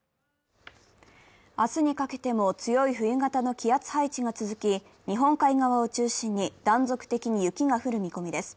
明日にかけても強い冬型の気圧配置が続き、日本海側を中心に断続的に雪が降る見込みです。